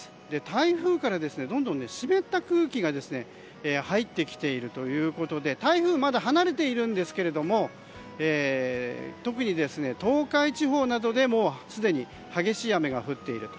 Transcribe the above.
台風からどんどん湿った空気が入ってきているということで台風はまだ離れているんですけど特に東海地方などで、もうすでに激しい雨が降っています。